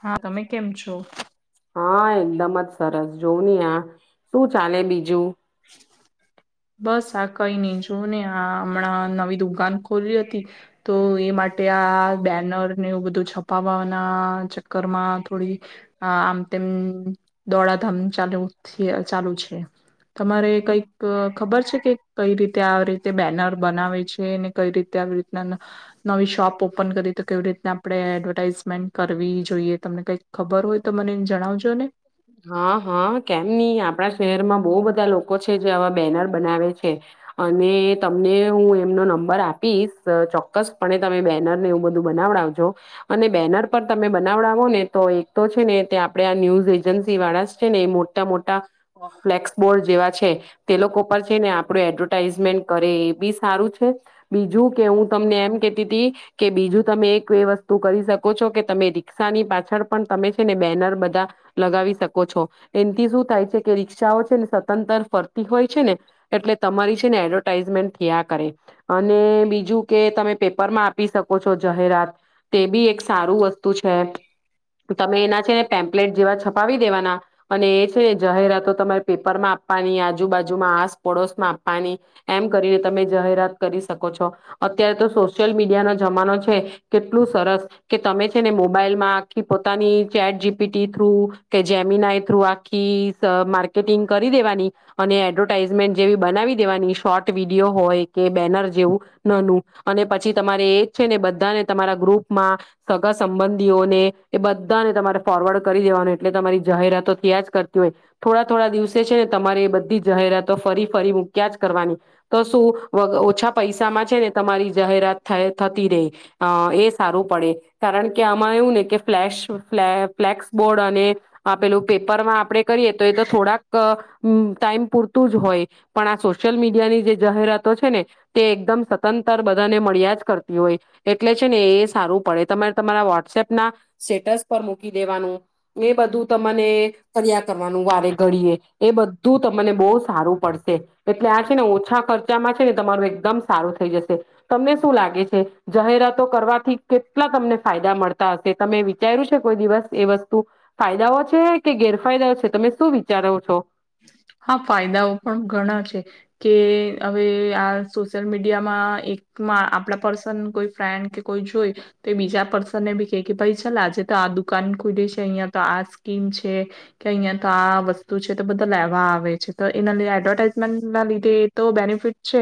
હા તમે કેમ છો. હા એકદમ જ સરસ જોવું હી આ શું ચાલે બીજું. બસ આ કઈ નહી જો ને આ હમણાં નવી દુકાન ખોલી હતી તો એ માટે આ બેનરને બધું છપાવવાના ચક્કરમાં થોડી આમ તેમ દોડાધામ ચાલુ ચાલુ છે. તમારે કઈક. ખબર છે કે કઈ રીતે આ રીતે બેનર બનાવે છે ને કઈ રીતે આવી રીતના નવી શોપ ઓપન કરી તો કેવી રીતના આપણે એડવર્ટાાઈઝમેન્ટ કરવી જોઈએ તમને કઈક ખબર હોય તો મને જણાવજો ને. હા હા કેમ નહી આપણા શહેરમાં બહુ બધા લોકો છે જે આવા બેનર બનાવે છે અને તમને હું એમનો નંબર આપીશ ચોક્કસપણે તમે બેનર ને એવું બધું બનાવડાવજો અને બેનર પર તમે બનાવડાવો ને તો એક તો છે ને તે આપે આ ન્યૂઝ. એજન્સી વાળા છે ને એ મોટા મોટા ફ્લેક્સ બોર્ડ જેવા છે તે લોકો પર છે ને આપડું એડવર્ટાઈઝમેન્ટ કરે એ બી સારું છે બીજું કે હું તમને એમ કેતી હતી કે બીજું તમે એક એ વસ્તુ કરી શકો છો કે તમે રિક્ષા ની પાછળ પણ તમે છે ને બેનર બધા. લગાવી શકો છો એનાથી શું થાય છે કે રિક્ષાઓ છે ને સતંતર ફરતી હોય છે ને એટલે તમારી છે ને એડવર્ટાઈઝમેન્ટ થયા કરે અને બીજું કે તમે પેપરમાં આપી શકો છો જાહેરાત તે બી એક સારું વસ્તુ છે તમે એના છે ને પેમ્પલેટ જેવા છ. પાવી દેવાના અને એ છે જાહેરાતો તમારે પેપરમાં આપવાની આજુબાજુમાં આસપડોશમાં આપવાની એમ કરીને તમે જાહેરાત કરી શકો છો અત્યારે તો સોશિયલ મીડિયાનો જમાનો છે કેટલું સરસ કે તમે છે ને મોબાઈલમાં આખી પોતાની ચેટ જીપીટી થ્રુ. કે જમીન આ થ્રુ આખીટ. કેટિંગ કરી દેવાની અને એડ્રો. ટઇઝમેન્ટ જેવી બનાવી દેવાની શોર્ટ વિડીયો હોય કે બેનર જેવું નાનું અને પછી તમારે એ જ છે ને બધાને તમારા ગ્રુપમાં સગા સંબંધીઓને એ બધાને તમારે ફોરવર્ડ કરી દેવાનું. એટલે તમારી જાહેરાતો થયા જ કરતી હોય થોડા થોડા દિવસે છે ને તમારે એ બધી જાહેરાતો ફરી ફરી મૂક્યા જ કરવાની તો શું ઓછા પૈસામાં છે ને તમારી જાહેરાત થ થતી રહી એ સારું પડે કારણ કે આમાં એવું ને કે ફ્લેશ ફલે ફ્લેક્સ બોર્ડ અને. આ પેલું પેપરમાં આપણેે કરીએ તો એ તો થોડાક ટાઈમ પૂરતું જ હોય પણ આ સોશિયલ મીડિયાની જે જાહેરાતો છે ને તે એકદમ સતંતર બધાને મળ્યા જ કરતી હોય એટલે છે ને એ સારું પડે તમારે તમારા વોટ્સએપ ના સ્ટેટસ પર મૂકી દેવાનું. મે બધું તને ફ. કરવાનું વારે ઘડીએ. એ બધું તમને બહુ સારું પડશે. એટલે આ છે ને ઓછા ખર્ચ. છે ને તમારું એકદમ સારું થઈ જશે તમને શું લાગે છે. જાહેરાતો કરવાથી. કેટલા તમને ફાયદા મળતા હશે તમે વિચાર્યું છે કોઈ દિવસ એ વસ્તુ. ફાયદાઓ છે કે ગેરફાયદાઓ છે તમે શું વિચારો છો. હા ફાયદાઓ પણ ઘણા છે કે. હવે આ સોશિયલ મીડિયામાં એક આપડા પર્સન કોઈ ફ્રેન્ડ કે કોઈ જોય તો એ બીજા પર્સનને બી કે ભાઈ ચાલ આજે તો આ દુકાન ખુલી છે અહિયાં તો આ સ્કીમ છે કે અહિયાં તો આ વસ્તુ છે. બધ લેવા આવે છે તો એના લ એડવર્ટાઈઝમેન્ટ ના લીધે એ તો બેનિફિટ છે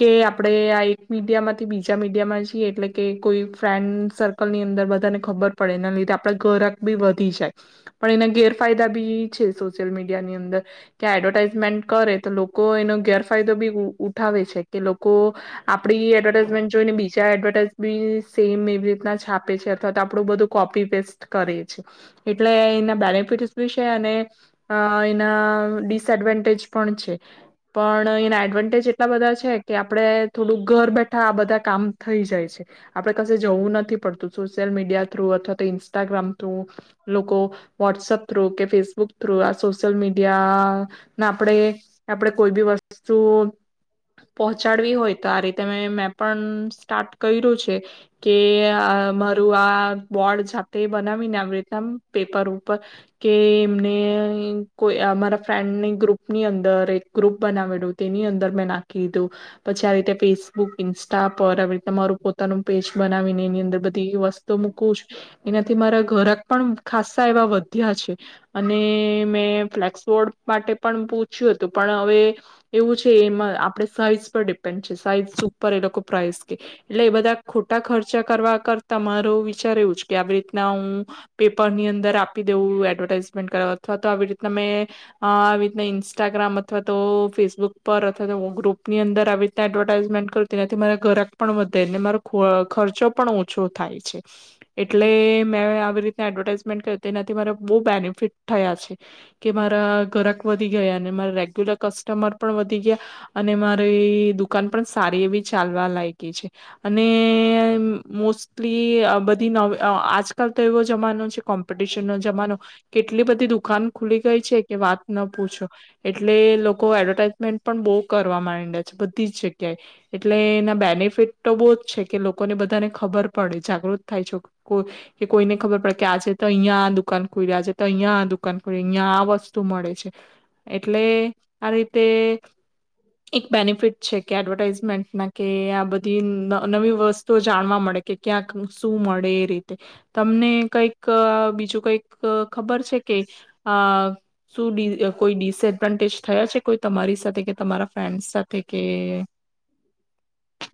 કે આપણે આ એક મીડિયામાંથી બીજા મીડિયામાં જીએ એટલે કે કોઈ ફ્રેન્ડ સર્કલની અંદર બધાને ખબર પડે એના લીધે આપણે ઘરક બી વધી જાય પણ એના ગેરફાયદા બી છે સોશિયલ મીડ. િયાની અંદર કે એડવર્ટાાઈઝમેન્ટ કરે તો લોકો એનો ગેરફાયદો બી ઉઠાવે છે કે લોકો આપડી એડવર્ટાઈઝમેન્ટ જોઈને બીજા એડવર્ટાઈઝ બી સેમ એવી રીતના છાપે છે અથવા તો આપણું બધું કોપી પેસ્ટ કરીે છે એટલે એના બેનિફિટસ બી છે અને. અ એના ડિસએડવાન્ટેજ પણ છે પણ એના એડવાન્ટેજ એટલા બધા છે કે આપડે થોડુંક ઘર બેઠ. આ બધા કામ થઈ જાય છે આપડે ક જવું નથી પડતું સોશિયલ મીડિયા થ્રુ અથવા તો ઇન્સ્ટાગ્રામ થ્રુ લોકો વોટ્સઅપ થ્રુ કે ફેસબુક થુ. Social media. નાને આપણેે આપડે કોઈ બી વસ્તુ. સ. પહોંચાડવી હોય તો આ રીતે મે મેં પણ સ્ટાર્ટ કર્યું છે કે મારું આ બોર્ડ જાતે બનાવીને આવી રીતેમ પેપર ઉપર કે એમને. મારા ફ્રેન્ડની ગ્રુપ ની અંદર એક ગ્રુપ બનાવેડું તેની અંદર મેં નાખ કીધું પછી આ રીતે ફેસબુક ઈન્સ્ટા પર આવી રીતે મારું પોતાનું પેજ બનાવીને એની અંદર બધી વસ્તુ મૂકું છું એનાથી મારા ઘરાક પણ ખસ્ાસસા એવા વધ્યા છે અને મેં ફ્લેક્સ બોર્ડ માટે પણ પૂછ્યું હતું પણ હવે એવું છે એમાં આપણે સાઈઝ પર ડિપેન્ડ છે સાઈઝ શ પર એ લોકો પ્રઇસ કે એટલે એ બધા ખોટા ખર્ચા કરવા કર તમારો વિચાર્યુંજ કે આવેક ના હું પેપર ની અંદર આપી દેઉું એડવર્ટાઈઝમેન્ટ કરવા આવી રીતના મેં આહ આવી રીતના ઇન્સ્ટાગ્રામ અથવા તો ફેસબુક પર અથવા તો ગ્રુપની અંદર આવી રીતના એડવર્ટાઝમેન્ટ કર્યું તેનાથી મારા ઘરાક પણ વધેને મારો ખો-ખર્ચો પણ ઓછો થાય છે. એટલે મેં આવી રીતના એડવર્ટાઈઝમેન્ટ કર્યું તેનાથી મારે બહુ બેનિફિટ થયા છે. કે મારા ગરક વધી ગયા ને માર રેગ્યુલર કસ્ટમર પણ વધી ગયા અને મારે થી દુકાન પણ સારી એવી ચાલવા લાય છે અને મોસ્ટ ધી અહ બધી નોવ આહ આજકાલ તો એવોજ જમાનો છે કોમ્પિટિશન નો જમાનો એટલી બધી દુકાન ખુલી ગઈ છે કે વાત ન પૂછો. એટલે લોકો એડવર્ટાઈઝમેન્ટ પણ બહુ કરવા માંડ્યા છે બધી જ જગ્યાએ. એટલે એના બેનિફિટ તો બહુજ છે. કે લોકોને બધાને ખબર પડે જાગૃત થાય છે કો કે કોઈને ખબર પડે કે આ છે તો અહીયાં દુકાન ખુલ્યા છે. તો અહિયાં આ દુકાન ખુલે અહિયાં આ વસ્તુ મળે છે. એટલે આ રીતે એક બેનિફિટ છે કે એડવર્ટાઈઝમેન્ટના કે આ બધ ધી ન-નવી વસ્તુઓ જાણવા મળે કે ક્યાંક શું મળે એ રીતે તમને કંઈક બીજું કઈક ખબર છે કે આહ શું ડિ કોઈ ડિસએડવાન્ટેજ થયા છે કોઈ તમારી સાથે કે તમારા ફ્રેન્ડ્સ સાથે કે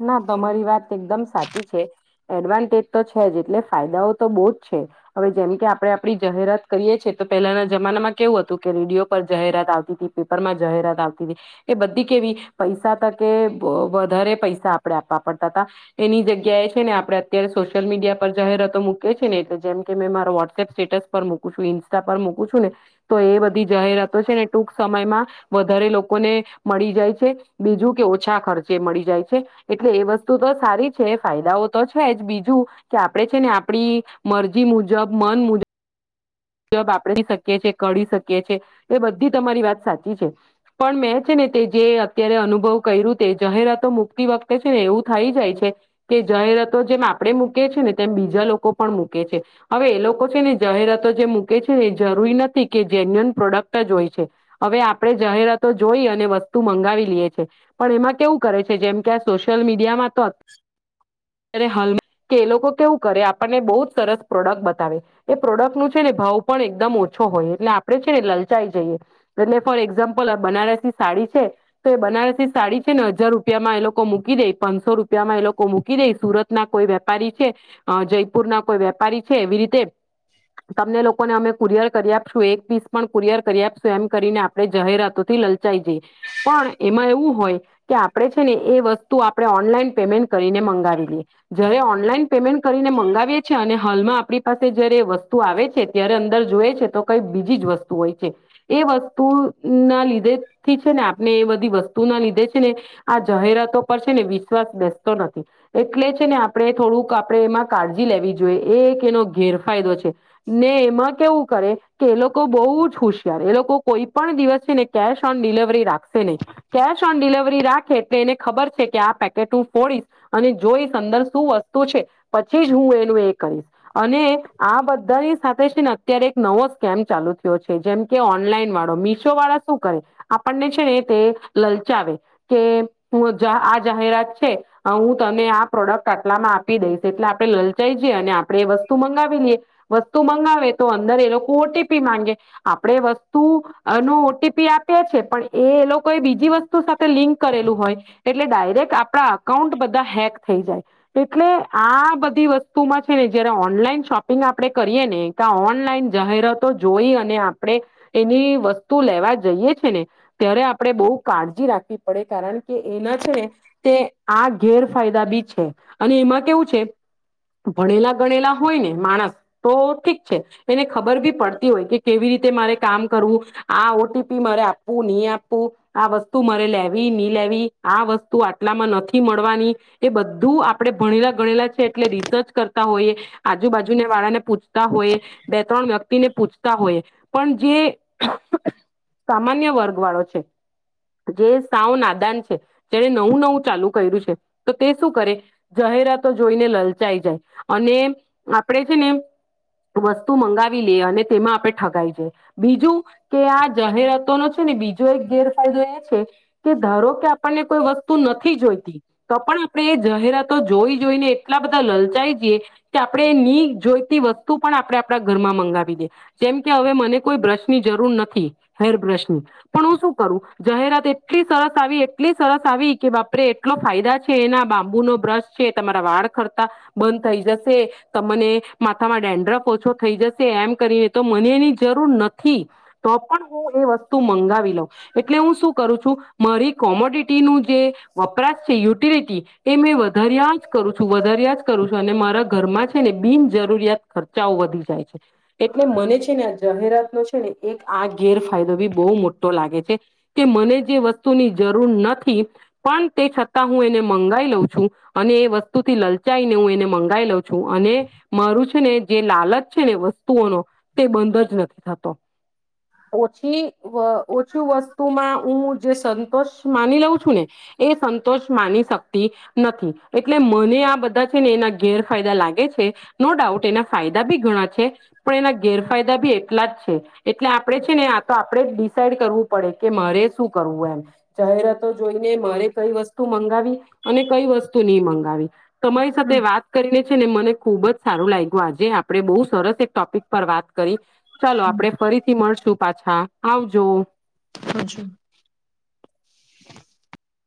ના તમારી વાત એકદમ સાચી છે. એડવાન્ટેજ તો છે જ એટલે ફાયદાઓ તો બહુજ છે. હવે જેમ કે આપણે આપડી જાહેરાત કરીએ છીએ તો પહેલાના જમાનામાં કેવું હતું કે રેડિયો પર જાહેરાત આવતી તી, પેપરમાં જાહેરાત આવતી તી એ બધી કેવી પૈસા તા કે વધારે વ પૈસા આપડે આપવા પડતા તા એની જગ્યાએ છે ને આપણે અત્યારે સોશિયલ મીડિયા પર જાહેરાતો મૂકીએ છે ને એટલે જેમ કે મેં મારો વોટ્સપ સ્ટેટસ પર મૂકું છું ઇન્સ્ટા પર મૂકું છું ને તો એ બધી જાહેરાતો છે ને ટૂંક સમયમાં વધારે લોકોને મળી જાય છે બીજું કે ઓછા ખર્ચે મળી જાય છે એટલે એ વસ્તુ તો સારી છે ફાયદાઓ તો છે જ બીજું કે આપણે છે ને આપણી મરજી મુજબ મન મુજબજ આપડી શકીએ છે કરી શકીએ. એ બધી તમારી વાત સાચી છે. પણ મેં છે ને તે જે અત્યારે અનુભવ કર્યું તે જાહેરાતો મુૂકતી વખતે છે ને એવું થઈ જાય છે કે જાહેરાતો જેમ આપણે મૂકે છે ને તેમ બીજા લોકો પણ મૂકે છે. હવે એ લોકો છે ને જાહેરાતો જેમ મૂકે છે ને એ જરૂરી નથી કે જેન્યુન પ્રોડક્ટ જ હોય છે. હવે આપણે જાહેરાતો જોઈ અને વસ્તુ મંગાવી લિયે છે. પણ એમાં કેવું કરે છે જેમ કે આ સોશિયલ મીડિયામાં તો તારે હાલ કે એ લોકો કેવું કરે આપણને બહુજ સરસ પ્રોડક્ટ બતાવે. એ પ્રોડક્ટ નું છે ને ભાવ પણ એકદમ ઓછો હોય એટલે આપડણે છે ને લલચાઈ જઈએ. એટલે ફોર એક્ઝામ્પલ બનારસી સાડી છે તો એ બનારસી સાડી છે ને હજાર રૂપિયામાં એ લોકો મૂકી દે પાંચસો રૂપિયામાં એ લોકો મૂકી દે સુરત ના કોઈ વેપારી છે અહ જયપુર ના કોઈ વેપારી છે એવી રીતે તમને લોકોને અમે કુરયર કરી આપશું એક પીસ પણ કુરયર કરી આપશું એમ કરીને આપણે જાહેરાતોથી લલચાઈ જઈ. પણ એમાં એવું હોય કે આપણે છે ને એ વસ્તુ આપણે ઓનલાઈન પેમેન્ટ કરીને મંગાવી લઈએ. જયારે ઓનલાઈન પેમેન્ટ કરીને મંગાવીએ છેએ અને હાલમાં આપણી પાસે જયારે વસ્તુ આવે છે ત્યારે અંદર જોઈએ છે તો કઈ બીજી જ વસ્તુ હોય છે. એ વસ્તુ ના લીધે થી છે ને આપ એ બધી વસ્તુઓ ના લીધેજ છે ને આ જાહેરાતો પર છે ને વિશ્વાસ બેસતો નથી. એટલે છે ને આપણે થોડુંક આપણે એમાં કાળજી લેવી જોઈએ એ એક એનો ગેરફાયદો છે. ને એમાં કેવું કરે કે એ લોકો બહુજ હોુશિયાર એ લોકો કોઈ પણ દિવસ છે ને કેશ ઓન ડિલવરી રાખ શે નહીં. કેશ ઓન ડિલિવરી રાખે તે એને ખબર છે કે આ પેકેટ હું ફોડીશ અને જોઈશ અંદર શું વસ્તુ છે પછી જ હું એનું એ કરીશ. અને આ બધાની સાથે છે ને અત્યારે એક નવો સ્કેમ ચાલુ થયો છે જેમ કે ઓનલાઈન વાળો. મીશો વાળા શું કરે આપણને છે ને તે લલચાવે કે હું આ જાહેરાત છે હું તને આ પ્રોડક્ટ આટલામાં આપી દઈશ એટલે આપણે લલચાઈ જ અને આપડે એ વસ્તુ મંગાવી લઈએ. વસ્તુ મંગાવે તો અંદર એ લોકો ઓ ટી પી માંગે. આપડે વસ તું અહ નો ઓ ટી પી આપ તે છે પણ એ એ લોક કોઈ બીજી વસ્તુ સાથે લિંક કરેલું હોય. એટલે ડાયરેક્ટ આપણા અકાઉન્ટ બધા હેક થઈ જાય. એટલે આ બધી વસ્તુમાં છે ને જયારે ઓનલાઈન શોપિંગ આપણે કરીએ ને કા ઓનલાઈન જાહેરાતો જોઈ અને આપણે એની વસ્તુ લેવા જઈએ છે ને ત્યારે આપ આપણે બહુ કાળજી રાખવી પડે કારણ કે એના છે ને તે આ ગેરફાયદા બી છે. અને એમાં કેવું છે ભણેલા ગણેલા હોય ને માણસ તો ઠીક છે એને ખબર બી પડતી હોય કે કેવી રીતે મારે કામ કરવું આ ઓ ટી પી મારે આપવું નહી આપ પુ આ વસ્તુ મારે લેવી ની લેવી. આ વસ્તુ આટલામાં નથી મળવાની. એ બધું આપડે ભણેલા ગણેલા છે એટલે રિસર્ચ કરતા હોઈએ આજુબાજુને વાળાને પૂછતા હોય બે ત્રણ વ્યક્તિને પૂછતા હોય. પણ જે સામાન્ય વર્ગ વાળા છે જે સાવ નાદાન છે જેને નવું નવું ચાલુ કર્યું છે તો તે શું કરે જાહેરાતો જોઈને લલચાઈ જાય અને આપણેે છે ને વસ્તુ મંગાવી લઈએ અને તેમાં આપણે ઠગાઈ જાય. બીજું કે આ જાહેરાતો નો છે ને બીજો એક ગેર ફાયદો એ છે કે ધારો કે આપણને કોઈ વસ્તુ નથી જોઈતી તો પણ આપણે એ જાહેરાતો જોઈ જોઈને એટલા બધા લલચાઈ જઈએ કે આપણે ની જોઈતી વસ્તુ પણ આપણે આપણા ઘરમાં મંગાવી દે. જેમ કે હવે મને કોઈ બ્રશ ની જરૂર નથી, હેર બ્રશની પણ હું શું કરું જાહેરાત એટલી સરસ આવી એટલી સરસ આવી કે બાપરે એટલો ફાયદા છે એના બાંબુ નો બ્રશ છે તમારા વાળ ખરતા બંધ થઈ જશે તમને માથામાં ડેન્ડ્રફ ઓછો થઈ જશે એમ કરીને તો મને એની જરૂર નથી તો પણ હું એ વસ્ત તું મંગાવી લો. હું શું કરું છું મારી કોમોડિટી નું જે વપરાશ છે યુટિલિટી, એ મેં વધાર્યા જ કરું છું, વધાર્યા જ કરું છું, અને મારા ઘરમાં છે ને બિનજરૂરિયાત ખર્ચાઓ વધી જાય છે. એટલે મને છે ને આજ જાહેરાત નો છે ને એક આ ગેરફાયદો બી બહુ મોટો લાગે છે. કે મને જે વસ્તુની જરૂર નથી પણ તે છતાં હું એને મંગાઈ લઉં છું, અને એ વસ્તુથી લલચાઈને હું એને મંગાઈ લઉં છું, અને મારું છે ને જે લાલચ છે ને વસ્તુઓનો તે બંધ જ નથી થતો. ઓછી વ ઓછું વસ સ્તુ હું જે સંતોષ માની લઉં છું ને એ સંતોષ માની શકતી નથી. એટલે મને આ બધા છે ને એના ગેરફાયદા લાગે છે, નો ડાઉટ એના ફાયદા બી ઘણા છે. પણ એના ગેરફાયદા બી એટલા જ છે. એટલે આપણે છે ને આ તો આપણેે જ ડિસાઈડ કરવું પડે કે મારે શું કરવું એમ. જાહેરાતો જોઈને મારે કઈ વસ્તુ મંગાવી અને કઈ વસ્તુ નહી મંગાવી. તમારી હમ સાથે વાત કરીને છે ને મને ખુબ જ સારું લાયગું આજે. આપડે બહુ સરસ એક ટોપિક પર વાત કરી. ચાલો આપણે હમ ફરીથી મળશું. પાછા આવજો. [unintelligible]